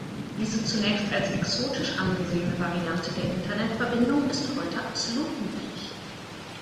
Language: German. Diese zunächst als „exotisch“ angesehene Variante der Internet-Verbindung ist heute absolut üblich.